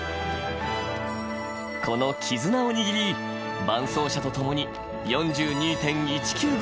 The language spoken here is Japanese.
このキズナを握り伴走者とともに４２．１９５